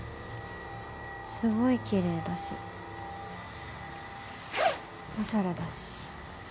すごい奇麗だしおしゃれだし。